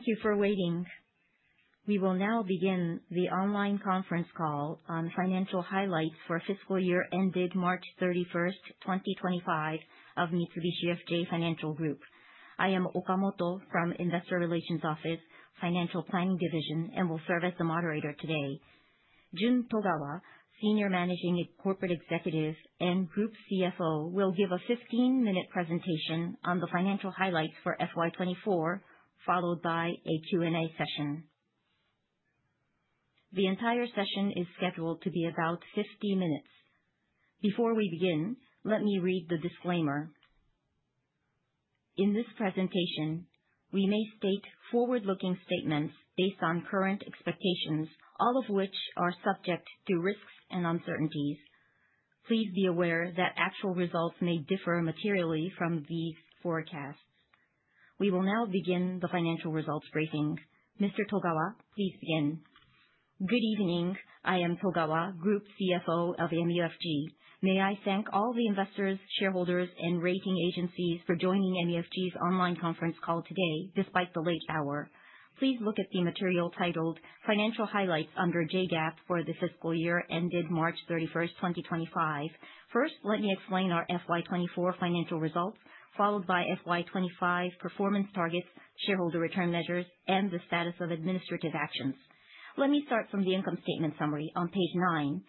Thank you for waiting. We will now begin the online conference call on financial highlights for year ended March 31, 2025, of Mitsubishi UFJ Financial Group. I am Okamoto from Investor Relations Office, Financial Planning Division, and will serve as the moderator today. Jun Togawa, Senior Managing Corporate Executive and Group CFO, will give a 15-minute presentation on the financial highlights for FY24, followed by a Q&A session. The entire session is scheduled to be about 50 minutes. Before we begin, let me read the disclaimer. In this presentation, we may state forward-looking statements based on current expectations, all of which are subject to risks and uncertainties. Please be aware that actual results may differ materially from these forecasts. We will now begin the financial results briefing. Mr. Togawa, please begin. Good evening. I am Togawa, Group CFO of MUFG. May I thank all the investors, shareholders, and rating agencies for joining MUFG's online conference call today, despite the late hour. Please look at the material titled "Financial Highlights Under JGAP for the Fiscal Year Ended March 31, 2025." First, let me explain our FY24 financial results, followed by FY25 performance targets, shareholder return measures, and the status of administrative actions. Let me start from the income statement summary on page 9.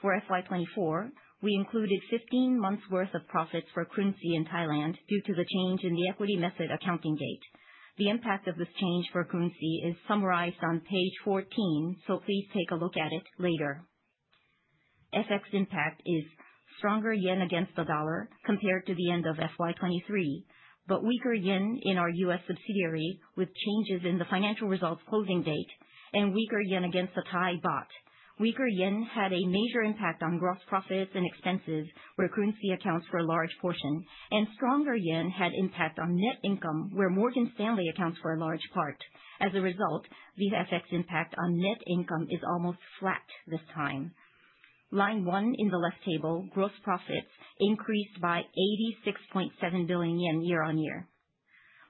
For FY24, we included 15 months' worth of profits for Krungsri in Thailand due to the change in the equity method accounting date. The impact of this change for Krungsri is summarized on page 14, so please take a look at it later. FX impact is stronger yen against the dollar compared to the end of FY23, but weaker yen in our U.S. Subsidiary with changes in the financial results closing date and weaker yen against the Thai baht. Weaker yen had a major impact on gross profits and expenses, where Krungsri accounts for a large portion, and stronger yen had impact on net income, where Morgan Stanley accounts for a large part. As a result, the FX impact on net income is almost flat this time. Line 1 in the left table, gross profits increased by 86.7 billion yen year-on-year.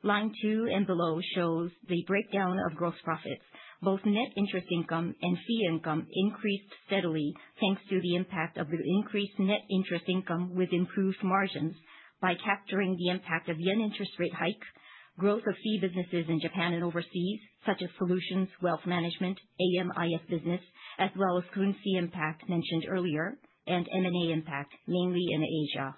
Line 2 and below shows the breakdown of gross profits. Both net interest income and fee income increased steadily thanks to the impact of the increased net interest income with improved margins by capturing the impact of yen interest rate hike, growth of fee businesses in Japan and overseas, such as Solutions Wealth Management, AMIF Business, as well as Krungsri impact mentioned earlier, and M&A impact, mainly in Asia.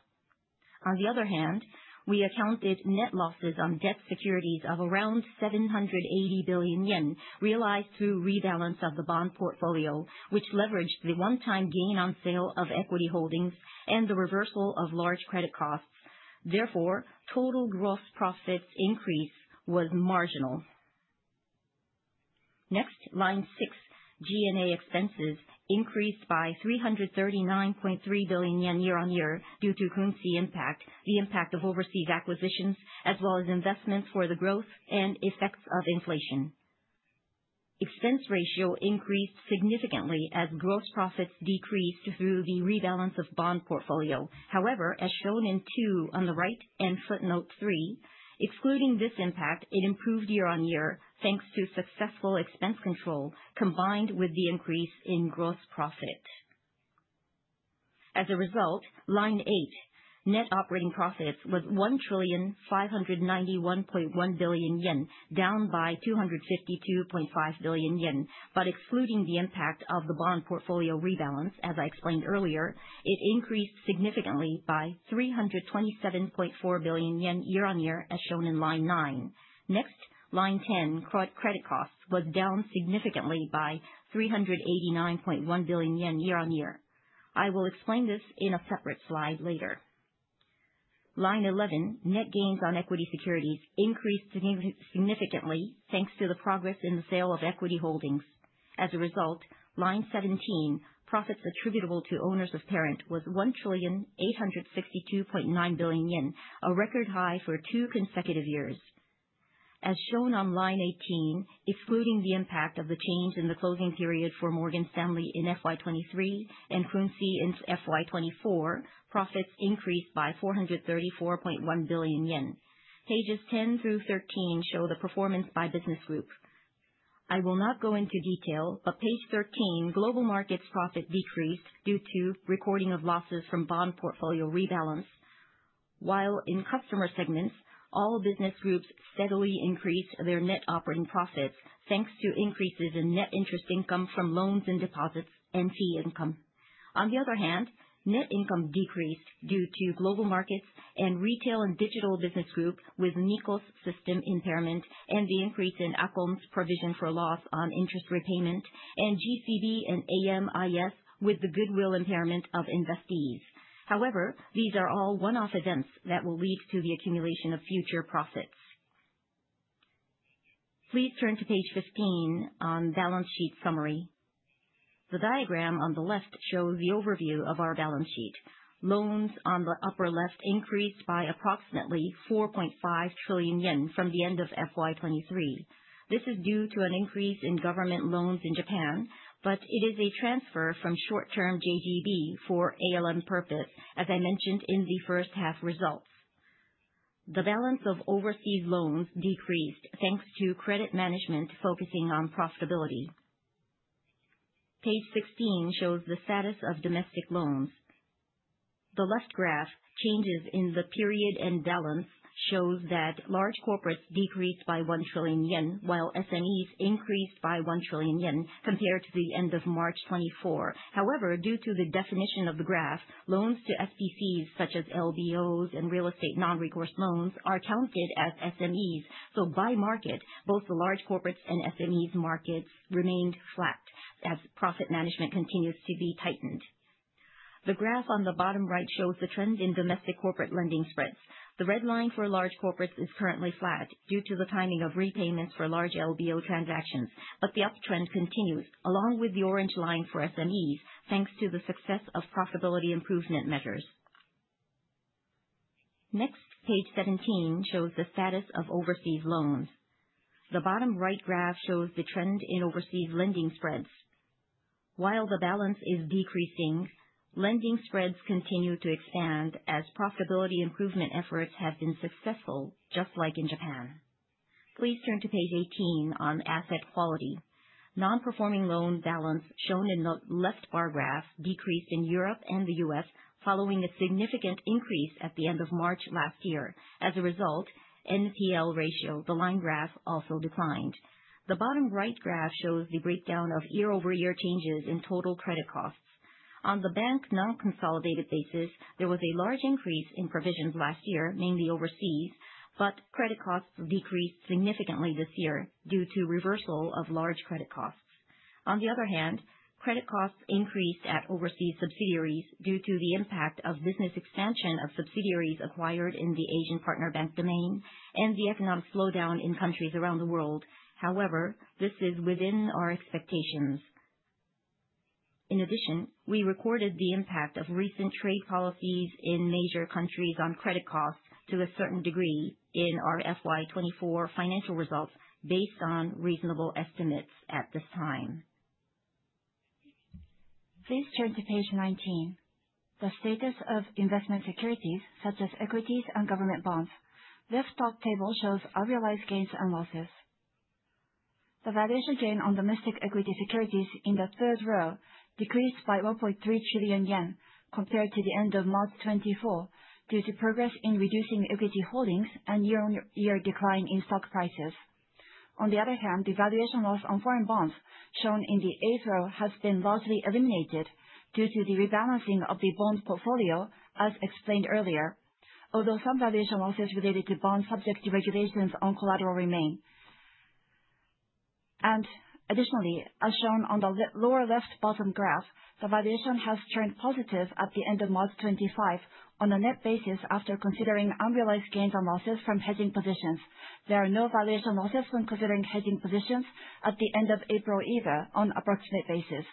On the other hand, we accounted net losses on debt securities of around 780 billion yen realized through rebalance of the bond portfolio, which leveraged the one-time gain on sale of equity holdings and the reversal of large credit costs. Therefore, total gross profits increase was marginal. Next, line 6, G&A expenses increased by 339.3 billion yen year-on-year due to Krungsri impact, the impact of overseas acquisitions, as well as investments for the growth and effects of inflation. Expense ratio increased significantly as gross profits decreased through the rebalance of bond portfolio. However, as shown in 2 on the right and footnote 3, excluding this impact, it improved year-on-year thanks to successful expense control combined with the increase in gross profit. As a result, line 8, net operating profits was 1 trillion 591.1 billion, down by 252.5 billion yen. Excluding the impact of the bond portfolio rebalance, as I explained earlier, it increased significantly by 327.4 billion yen year-on-year, as shown in line 9. Next, line 10, credit costs was down significantly by 389.1 billion yen year-on-year. I will explain this in a separate slide later. Line 11, net gains on equity securities increased significantly thanks to the progress in the sale of equity holdings. As a result, line 17, profits attributable to owners of parent was 1 trillion 862.9 billion, a record high for two consecutive years. As shown on line 18, excluding the impact of the change in the closing period for Morgan Stanley in FY 2023 and Krungsri in FY 2024, profits increased by 434.1 billion yen. Pages 10-13 show the performance by business group. I will not go into detail, but page 13, global markets profit decreased due to recording of losses from bond portfolio rebalance. While in customer segments, all business groups steadily increased their net operating profits thanks to increases in net interest income from loans and deposits and fee income. On the other hand, net income decreased due to global markets and retail and digital business group with MUFG NICOS system impairment and the increase in ACOM's provision for loss on interest repayment and GCB and AMIS with the goodwill impairment of investees. However, these are all one-off events that will lead to the accumulation of future profits. Please turn to page 15 on balance sheet summary. The diagram on the left shows the overview of our balance sheet. Loans on the upper left increased by approximately 4.5 trillion yen from the end of FY2023. This is due to an increase in government loans in Japan, but it is a transfer from short-term JGB for ALM purpose, as I mentioned in the first half results. The balance of overseas loans decreased thanks to credit management focusing on profitability. Page 16 shows the status of domestic loans. The left graph, changes in the period and balance, shows that large corporates decreased by 1 trillion yen, while SMEs increased by 1 trillion yen compared to the end of March 2024. However, due to the definition of the graph, loans to SPCs such as LBOs and real estate non-recourse loans are counted as SMEs, so by market, both the large corporates and SMEs markets remained flat as profit management continues to be tightened. The graph on the bottom right shows the trend in domestic corporate lending spreads. The red line for large corporates is currently flat due to the timing of repayments for large LBO transactions, but the uptrend continues, along with the orange line for SMEs, thanks to the success of profitability improvement measures. Next, page 17 shows the status of overseas loans. The bottom right graph shows the trend in overseas lending spreads. While the balance is decreasing, lending spreads continue to expand as profitability improvement efforts have been successful, just like in Japan. Please turn to page 18 on asset quality. Non-performing loan balance shown in the left bar graph decreased in Europe and the U.S. following a significant increase at the end of March last year. As a result, NPL ratio, the line graph, also declined. The bottom right graph shows the breakdown of year-over-year changes in total credit costs. On the bank non-consolidated basis, there was a large increase in provisions last year, mainly overseas, but credit costs decreased significantly this year due to reversal of large credit costs. On the other hand, credit costs increased at overseas subsidiaries due to the impact of business expansion of subsidiaries acquired in the Asian partner bank domain and the economic slowdown in countries around the world. However, this is within our expectations. In addition, we recorded the impact of recent trade policies in major countries on credit costs to a certain degree in our FY 2024 financial results based on reasonable estimates at this time. Please turn to page 19. The status of investment securities such as equities and government bonds. Left top table shows unrealized gains and losses. The valuation gain on domestic equity securities in the third row decreased by 1.3 trillion yen compared to the end of March 2024 due to progress in reducing equity holdings and year-on-year decline in stock prices. On the other hand, the valuation loss on foreign bonds shown in the eighth row has been largely eliminated due to the rebalancing of the bond portfolio, as explained earlier, although some valuation losses related to bonds subject to regulations on collateral remain. Additionally, as shown on the lower left bottom graph, the valuation has turned positive at the end of March 2025 on a net basis after considering unrealized gains and losses from hedging positions. There are no valuation losses when considering hedging positions at the end of April either on an approximate basis.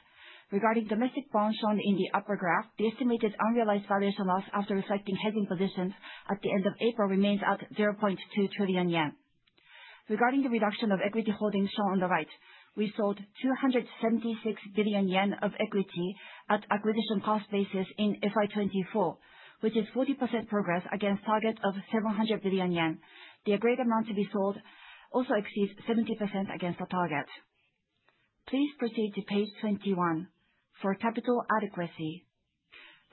Regarding domestic bonds shown in the upper graph, the estimated unrealized valuation loss after reflecting hedging positions at the end of April remains at 0.2 trillion yen. Regarding the reduction of equity holdings shown on the right, we sold 276 billion yen of equity at acquisition cost basis in FY2024, which is 40% progress against the target of 700 billion yen. The agreed amount to be sold also exceeds 70% against the target. Please proceed to page 21 for capital adequacy.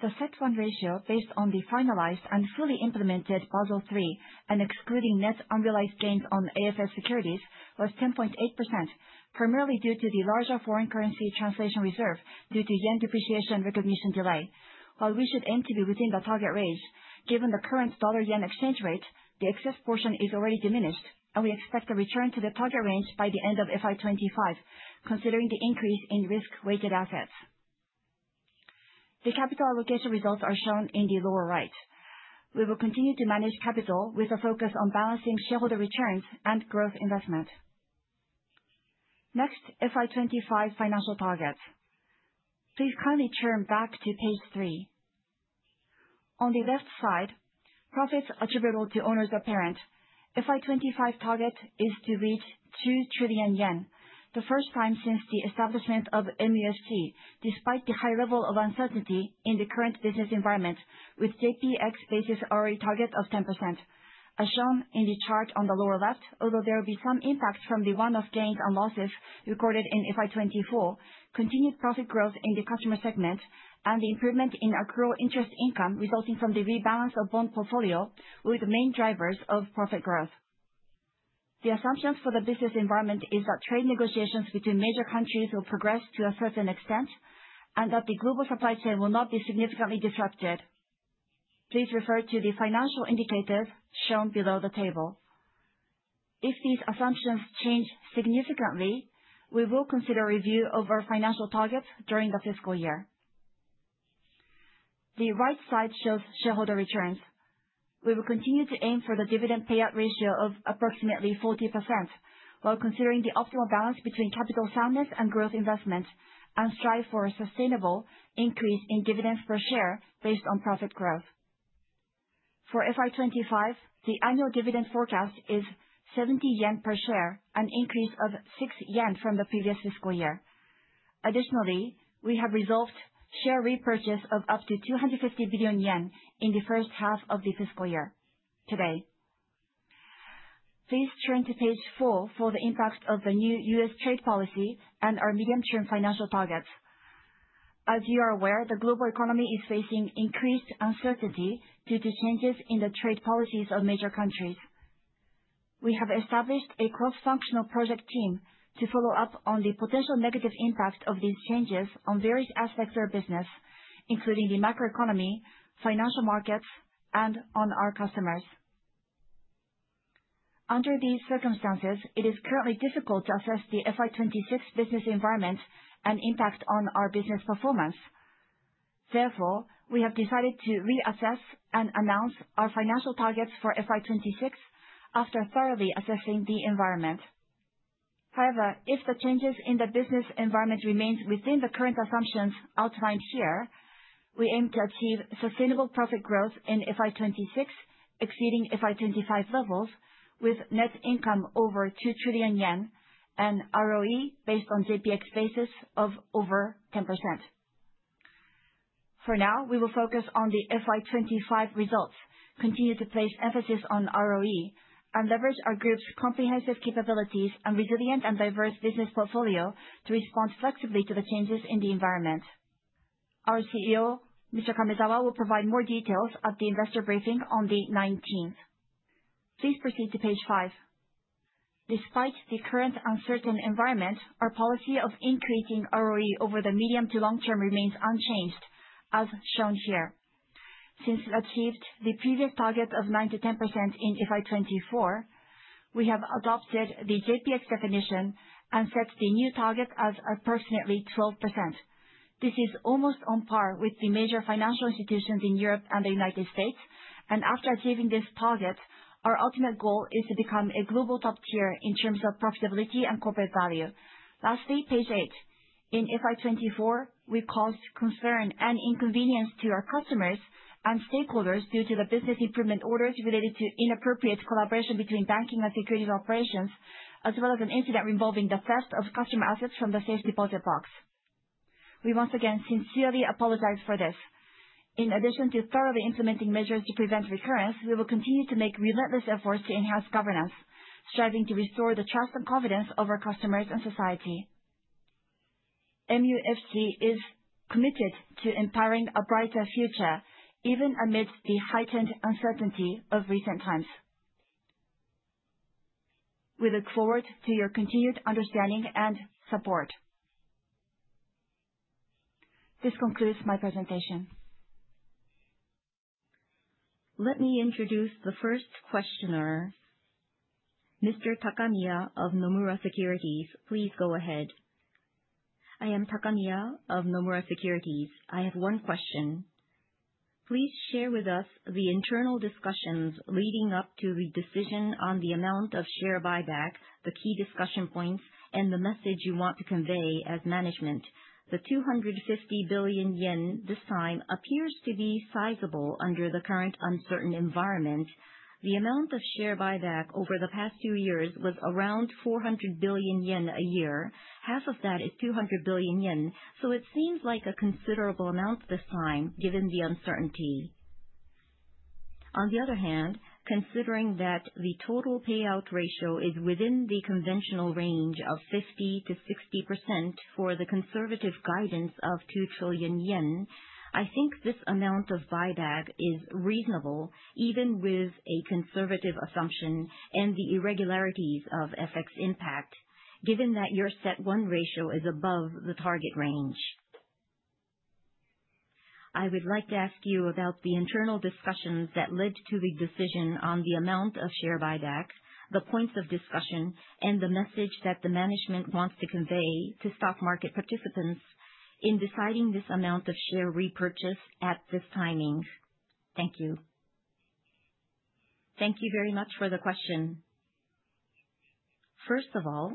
The CET1 ratio based on the finalized and fully implemented Basel III and excluding net unrealized gains on AFS securities was 10.8%, primarily due to the larger foreign currency translation reserve due to yen depreciation recognition delay. While we should aim to be within the target range, given the current dollar-yen exchange rate, the excess portion is already diminished, and we expect a return to the target range by the end of FY2025, considering the increase in risk-weighted assets. The capital allocation results are shown in the lower right. We will continue to manage capital with a focus on balancing shareholder returns and growth investment. Next, FY2025 financial targets. Please kindly turn back to page 3. On the left side, profits attributable to owners of parent, FY2025 target is to reach 2 trillion yen, the first time since the establishment of MUFG, despite the high level of uncertainty in the current business environment with JPX basis ROE target of 10%. As shown in the chart on the lower left, although there will be some impact from the one-off gains and losses recorded in FY2024, continued profit growth in the customer segment, and the improvement in accrual interest income resulting from the rebalance of bond portfolio were the main drivers of profit growth. The assumptions for the business environment are that trade negotiations between major countries will progress to a certain extent and that the global supply chain will not be significantly disrupted. Please refer to the financial indicators shown below the table. If these assumptions change significantly, we will consider review of our financial targets during the fiscal year. The right side shows shareholder returns. We will continue to aim for the dividend payout ratio of approximately 40% while considering the optimal balance between capital soundness and growth investment and strive for a sustainable increase in dividends per share based on profit growth. For FY2025, the annual dividend forecast is 70 yen per share, an increase of 6 yen from the previous fiscal year. Additionally, we have resolved share repurchase of up to 250 billion yen in the first half of the fiscal year today. Please turn to page 4 for the impact of the new U.S. trade policy and our medium-term financial targets. As you are aware, the global economy is facing increased uncertainty due to changes in the trade policies of major countries. We have established a cross-functional project team to follow up on the potential negative impact of these changes on various aspects of our business, including the macroeconomy, financial markets, and on our customers. Under these circumstances, it is currently difficult to assess the FY 2026 business environment and impact on our business performance. Therefore, we have decided to reassess and announce our financial targets for FY 2026 after thoroughly assessing the environment. However, if the changes in the business environment remain within the current assumptions outlined here, we aim to achieve sustainable profit growth in FY 2026, exceeding FY 2025 levels with net income over 2 trillion yen and ROE based on JPX basis of over 10%. For now, we will focus on the FY 2025 results, continue to place emphasis on ROE, and leverage our group's comprehensive capabilities and resilient and diverse business portfolio to respond flexibly to the changes in the environment. Our CEO, Mr. Kamezawa, will provide more details at the investor briefing on the 19th. Please proceed to page 5. Despite the current uncertain environment, our policy of increasing ROE over the medium to long term remains unchanged, as shown here. Since achieving the previous target of 9-10% in FY2024, we have adopted the JPX definition and set the new target as approximately 12%. This is almost on par with the major financial institutions in Europe and the U.S., and after achieving this target, our ultimate goal is to become a global top tier in terms of profitability and corporate value. Lastly, page 8. In FY2024, we caused concern and inconvenience to our customers and stakeholders due to the business improvement orders related to inappropriate collaboration between banking and securities operations, as well as an incident involving the theft of customer assets from the safe deposit box. We once again sincerely apologize for this. In addition to thoroughly implementing measures to prevent recurrence, we will continue to make relentless efforts to enhance governance, striving to restore the trust and confidence of our customers and society. MUFG is committed to empowering a brighter future, even amidst the heightened uncertainty of recent times. We look forward to your continued understanding and support. This concludes my presentation. Let me introduce the first questioner, Mr. Takamiya of Nomura Securities. Please go ahead. I am Takamiya of Nomura Securities. I have one question. Please share with us the internal discussions leading up to the decision on the amount of share buyback, the key discussion points, and the message you want to convey as management. The 250 billion yen this time appears to be sizable under the current uncertain environment. The amount of share buyback over the past two years was around 400 billion yen a year. Half of that is 200 billion yen, so it seems like a considerable amount this time given the uncertainty. On the other hand, considering that the total payout ratio is within the conventional range of 50-60% for the conservative guidance of 2 trillion yen, I think this amount of buyback is reasonable even with a conservative assumption and the irregularities of FX impact, given that your CET1 ratio is above the target range. I would like to ask you about the internal discussions that led to the decision on the amount of share buyback, the points of discussion, and the message that the management wants to convey to stock market participants in deciding this amount of share repurchase at this timing. Thank you. Thank you very much for the question. First of all,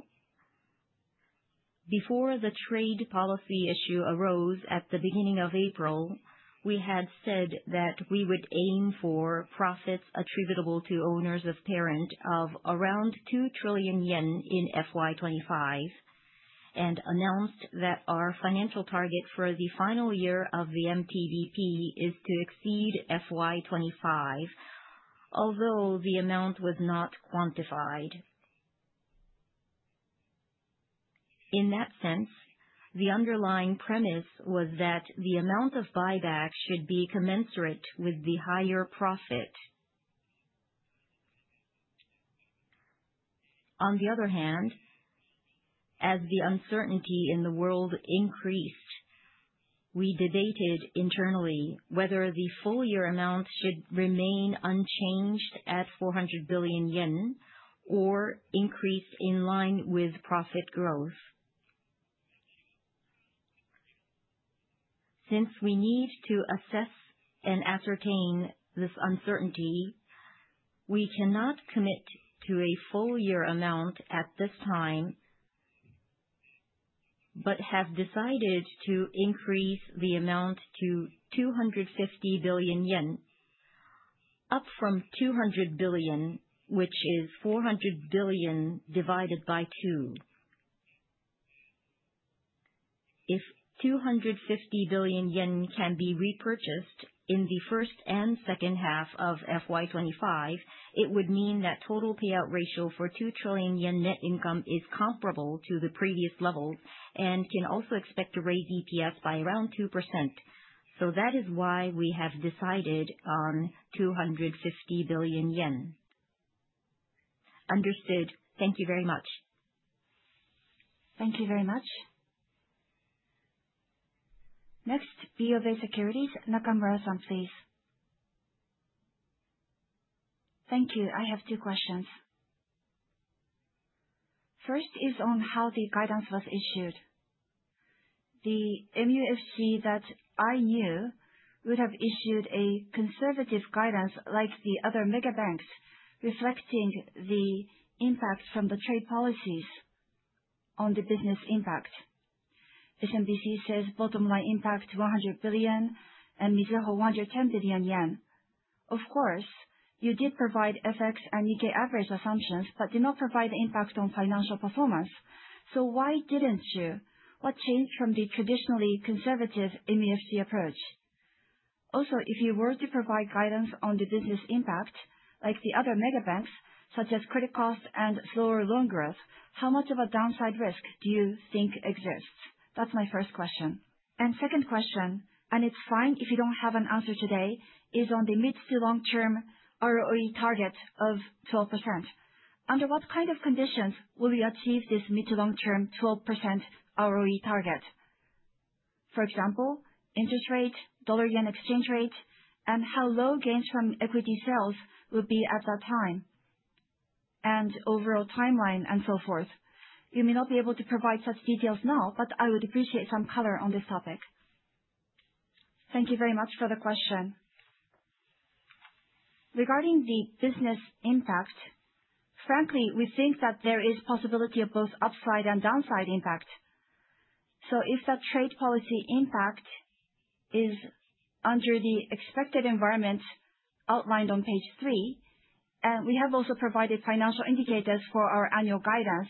before the trade policy issue arose at the beginning of April, we had said that we would aim for profits attributable to owners of parent of around 2 trillion yen in FY 2025 and announced that our financial target for the final year of the MTDP is to exceed FY 2025, although the amount was not quantified. In that sense, the underlying premise was that the amount of buyback should be commensurate with the higher profit. On the other hand, as the uncertainty in the world increased, we debated internally whether the full year amount should remain unchanged at 400 billion yen or increase in line with profit growth. Since we need to assess and ascertain this uncertainty, we cannot commit to a full year amount at this time but have decided to increase the amount to 250 billion yen, up from 200 billion, which is 400 billion divided by 2. If 250 billion yen can be repurchased in the first and second half of FY2025, it would mean that total payout ratio for 2 trillion yen net income is comparable to the previous levels and can also expect to raise EPS by around 2%. That is why we have decided on 250 billion yen. Understood. Thank you very much. Thank you very much. Next, BofA Securities, Nakamura-san, please. Thank you. I have two questions. First is on how the guidance was issued. The MUFG that I knew would have issued a conservative guidance like the other mega banks, reflecting the impact from the trade policies on the business impact. SMBC says bottom line impact 100 billion and Mizuho 110 billion yen. Of course, you did provide FX and Nikkei average assumptions but did not provide the impact on financial performance. Why did you not? What changed from the traditionally conservative MUFG approach? Also, if you were to provide guidance on the business impact, like the other mega banks, such as credit cost and slower loan growth, how much of a downside risk do you think exists? That is my first question. My second question, and it is fine if you do not have an answer today, is on the mid to long-term ROE target of 12%. Under what kind of conditions will we achieve this mid to long-term 12% ROE target? For example, interest rate, dollar-yen exchange rate, and how low gains from equity sales would be at that time, and overall timeline, and so forth. You may not be able to provide such details now, but I would appreciate some color on this topic. Thank you very much for the question. Regarding the business impact, frankly, we think that there is a possibility of both upside and downside impact. If that trade policy impact is under the expected environment outlined on page 3, and we have also provided financial indicators for our annual guidance,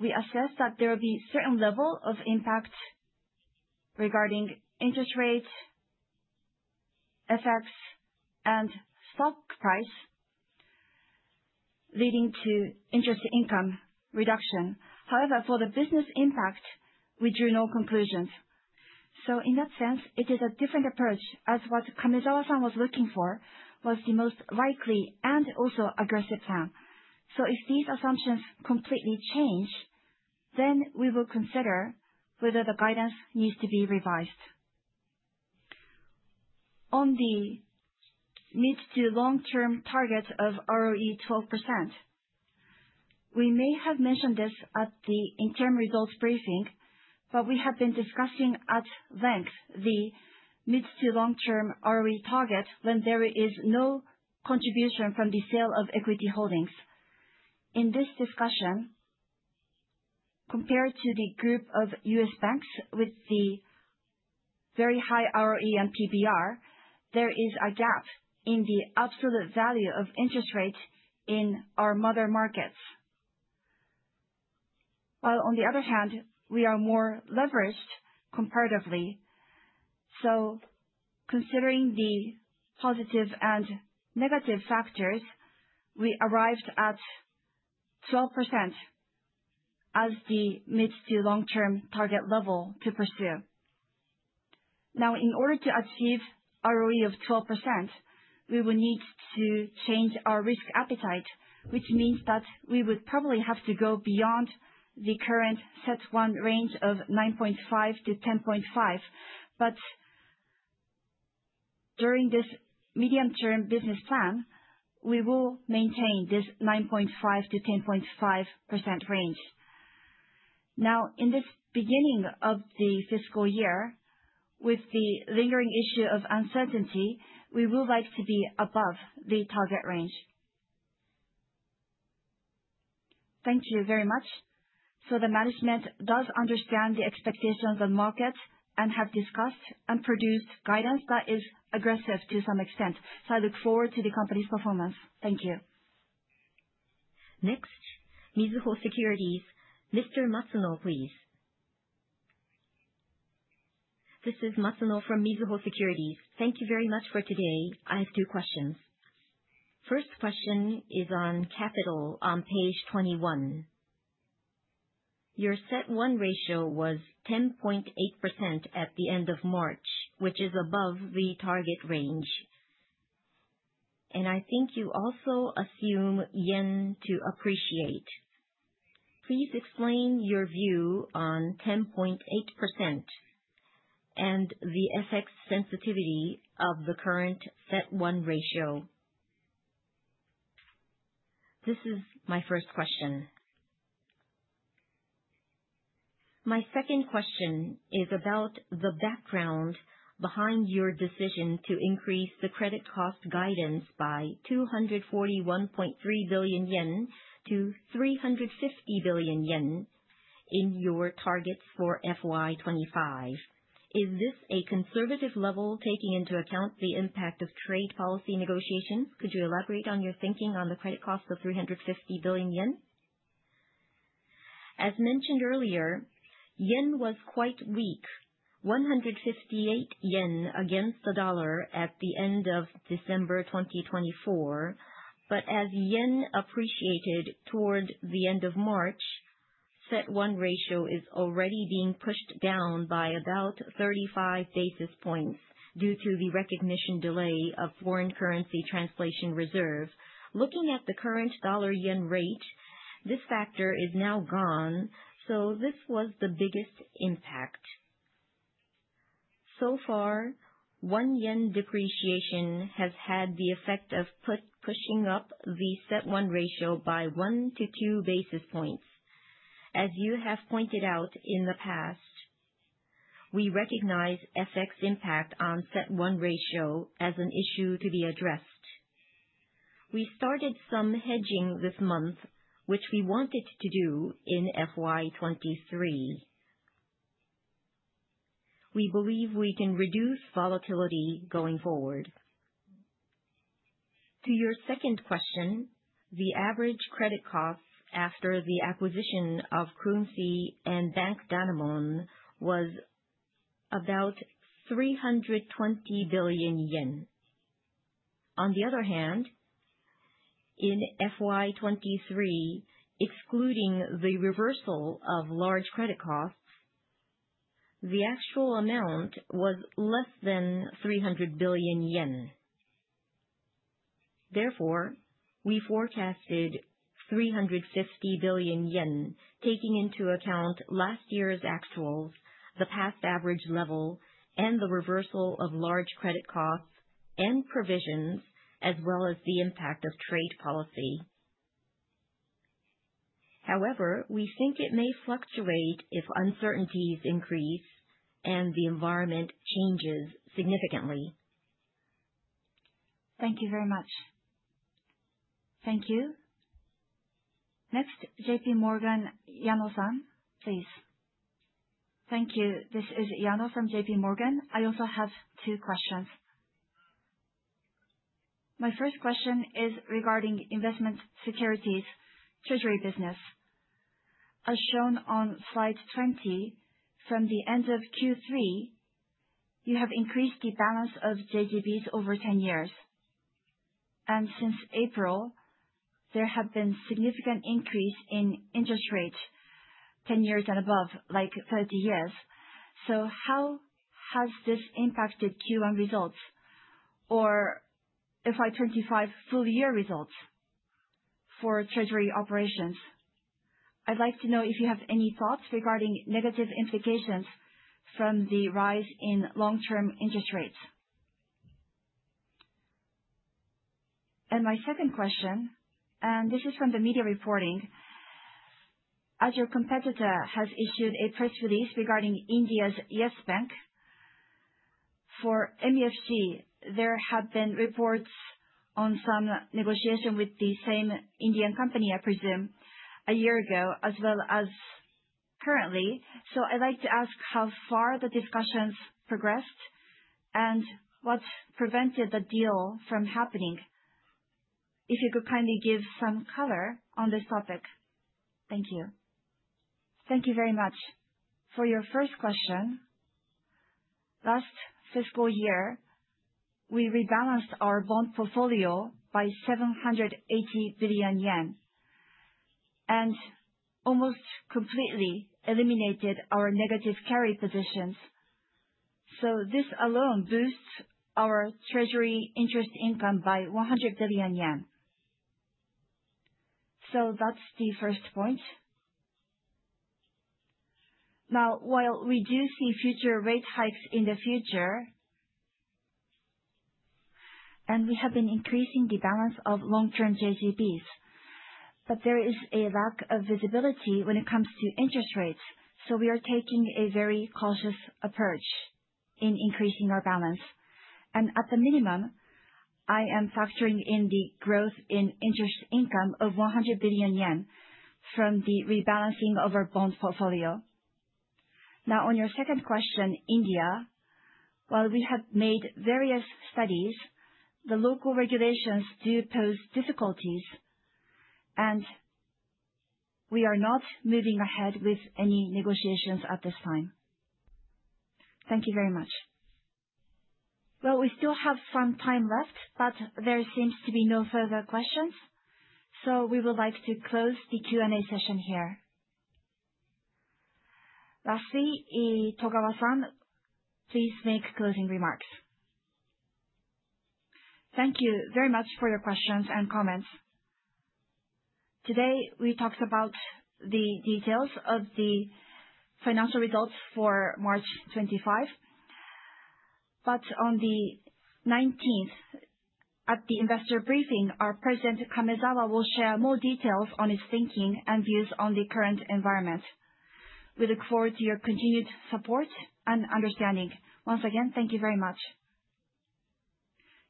we assess that there will be a certain level of impact regarding interest rate, FX, and stock price leading to interest income reduction. However, for the business impact, we drew no conclusions. In that sense, it is a different approach, as what Kamezawa-san was looking for was the most likely and also aggressive plan. If these assumptions completely change, then we will consider whether the guidance needs to be revised. On the mid to long-term target of ROE 12%, we may have mentioned this at the interim results briefing, but we have been discussing at length the mid to long-term ROE target when there is no contribution from the sale of equity holdings. In this discussion, compared to the group of U.S. banks with the very high ROE and PBR, there is a gap in the absolute value of interest rate in our mother markets. While on the other hand, we are more leveraged comparatively, so considering the positive and negative factors, we arrived at 12% as the mid to long-term target level to pursue. Now, in order to achieve ROE of 12%, we would need to change our risk appetite, which means that we would probably have to go beyond the current CET1 range of 9.5-10.5%. During this medium-term business plan, we will maintain this 9.5-10.5% range. Now, in this beginning of the fiscal year, with the lingering issue of uncertainty, we would like to be above the target range. Thank you very much. The management does understand the expectations of the market and have discussed and produced guidance that is aggressive to some extent. I look forward to the company's performance. Thank you. Next, Mizuho Securities. Mr. Matsuno, please. This is Matsuno from Mizuho Securities. Thank you very much for today. I have two questions. First question is on capital on page 21. Your CET1 ratio was 10.8% at the end of March, which is above the target range. I think you also assume yen to appreciate. Please explain your view on 10.8% and the FX sensitivity of the current CET1 ratio. This is my first question. My second question is about the background behind your decision to increase the credit cost guidance by 241.3 billion yen to 350 billion yen in your targets for FY2025. Is this a conservative level taking into account the impact of trade policy negotiations? Could you elaborate on your thinking on the credit cost of 350 billion yen? As mentioned earlier, yen was quite weak, 158 yen against the dollar at the end of December 2024. As yen appreciated toward the end of March, CET1 ratio is already being pushed down by about 35 basis points due to the recognition delay of foreign currency translation reserve. Looking at the current dollar-yen rate, this factor is now gone, so this was the biggest impact. So far, one-yen depreciation has had the effect of pushing up the CET1 ratio by one to two basis points. As you have pointed out in the past, we recognize FX impact on CET1 ratio as an issue to be addressed. We started some hedging this month, which we wanted to do in FY2023. We believe we can reduce volatility going forward. To your second question, the average credit cost after the acquisition of Krungsri and Bank Danamon was about 320 billion yen. On the other hand, in FY2023, excluding the reversal of large credit costs, the actual amount was less than 300 billion yen. Therefore, we forecasted 350 billion yen, taking into account last year's actuals, the past average level, and the reversal of large credit costs and provisions, as well as the impact of trade policy. However, we think it may fluctuate if uncertainties increase and the environment changes significantly. Thank you very much. Thank you. Next, JPMorgan Yano-san, please. Thank you. This is Yano from JPMorgan. I also have two questions. My first question is regarding investment securities, treasury business. As shown on slide 20, from the end of Q3, you have increased the balance of JGBs over 10 years. Since April, there have been significant increases in interest rates 10 years and above, like 30 years. How has this impacted Q1 results or FY2025 full year results for treasury operations? I'd like to know if you have any thoughts regarding negative implications from the rise in long-term interest rates. My second question, and this is from the media reporting, as your competitor has issued a press release regarding India's Yes Bank, for MUFG, there have been reports on some negotiation with the same Indian company, I presume, a year ago, as well as currently. I'd like to ask how far the discussions progressed and what prevented the deal from happening. If you could kindly give some color on this topic. Thank you. Thank you very much. For your first question, last fiscal year, we rebalanced our bond portfolio by 780 billion yen and almost completely eliminated our negative carry positions. This alone boosts our treasury interest income by 100 billion yen. That is the first point. Now, while we do see future rate hikes in the future, and we have been increasing the balance of long-term JGBs, there is a lack of visibility when it comes to interest rates. We are taking a very cautious approach in increasing our balance. At the minimum, I am factoring in the growth in interest income of 100 billion yen from the rebalancing of our bond portfolio. Now, on your second question, India, while we have made various studies, the local regulations do pose difficulties, and we are not moving ahead with any negotiations at this time. Thank you very much. We still have some time left, but there seems to be no further questions. We would like to close the Q&A session here. Lastly, Togawa-san, please make closing remarks. Thank you very much for your questions and comments. Today, we talked about the details of the financial results for March 25. On the 19th, at the investor briefing, our President, Kamezawa, will share more details on his thinking and views on the current environment. We look forward to your continued support and understanding. Once again, thank you very much.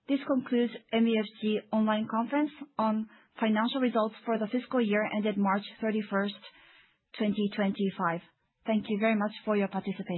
This concludes MUFG online conference on financial results for the fiscal year ended March 31st, 2025. Thank you very much for your participation.